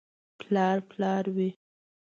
• پلار پلار وي.